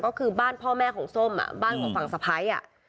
ก็คือบ้านพ่อแม่ของส้มบ้านของฝั่งสะพ้าย